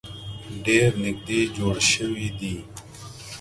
ډیر نیږدې جوړ شوي دي.